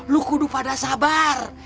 lo kudu pada sabar